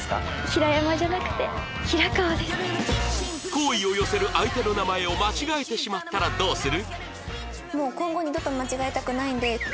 好意を寄せる相手の名前を間違えてしまったらどうする？